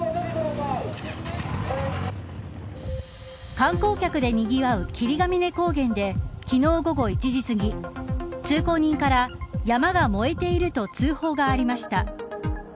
観光客でにぎわう霧ヶ峰高原で昨日午後１時すぎ、通行人から山が燃えていると通報がありました。